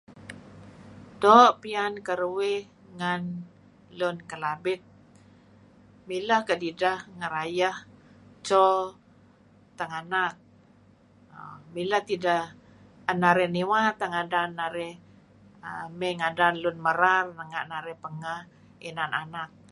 Doo' pian keruih ngen lun Kelabit. Mileh kedideh ngerayeh 'tdo tenganak. Mileh tideh, 'en narih niwa teh ngadan narih mey ngadan lun merar renga' inarih pengeh nan anak.